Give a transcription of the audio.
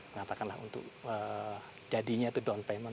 katakanlah untuk jadinya itu down payment